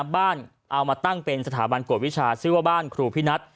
เอามาตั้งเป็นสถาบันกวดวิชาชื่อว่าบ้านครูพินัท